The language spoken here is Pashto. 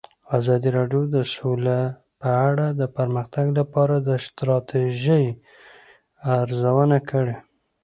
ازادي راډیو د سوله په اړه د پرمختګ لپاره د ستراتیژۍ ارزونه کړې.